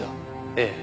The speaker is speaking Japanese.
ええ。